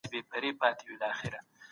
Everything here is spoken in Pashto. له زړو فکرونو تیر سه.